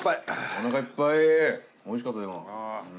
おなかいっぱいおいしかった。